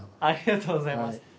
ありがとうございます。